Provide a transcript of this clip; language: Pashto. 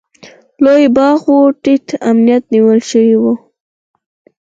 لوی باغ و، ټینګ امنیت نیول شوی و.